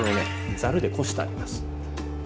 ざるでこしてあげます。